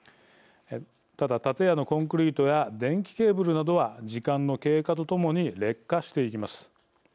ただ、建屋のコンクリートや電気ケーブルなどは時間の経過とともに劣化していきます。